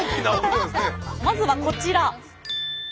まずはこちら。